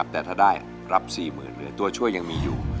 แต่ถ้าได้รับ๔๐๐๐เหลือตัวช่วยยังมีอยู่